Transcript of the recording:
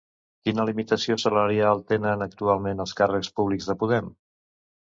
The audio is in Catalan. Quina limitació salarial tenen actualment els càrrecs públics de Podem?